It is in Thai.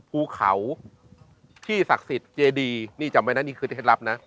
ภูเขาที่ศักดิ์สิทธิ์เจดีนี่จำไว้นะนี่คือเคล็ดลับนะ